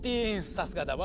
さすがだわ。